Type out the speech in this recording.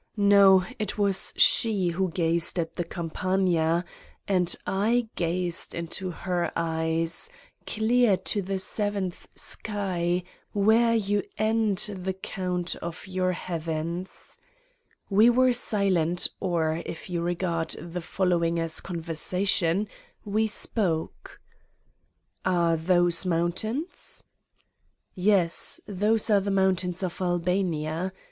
No, it was she who gazed at the Campagne and I gazed into her eyes clear to the seventh sky, where you end the count of your heavens. We were silent or if you regard the following as conversation we spoke: "Are those mountains?" "Yes, those are the mountains of Albania.